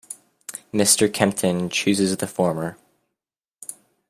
Mr. Kempton chooses the former.